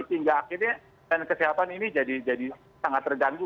sehingga akhirnya kesehatan ini jadi sangat terganggu